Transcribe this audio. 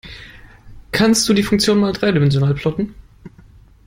Kannst du die Funktion mal dreidimensional plotten?